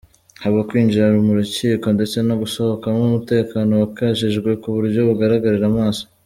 Haba Kwinjira mu Rukiko ndetse no gusohokamo umutekano wakajijwe ku buryo bugaragarira amaso.